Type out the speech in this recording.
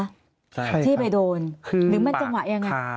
ใช่ที่ไปโดนหรือมันจังหวะยังไง